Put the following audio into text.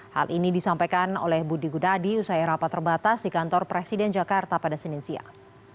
hal ini disampaikan oleh budi gunadi usai rapat terbatas di kantor presiden jakarta pada senin siang